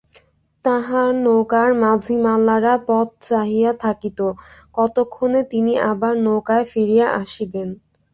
তাঁহার নৌকার মাঝি-মাল্লারা পথ চাহিয়া থাকিত, কতক্ষণে তিনি আবার নৌকায় ফিরিয়া আসিবেন।